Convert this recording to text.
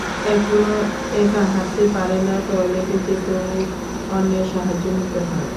এখনো একা হাঁটতে পারে না, টয়লেটে যেতেও অন্যের সাহায্য নিতে হয়।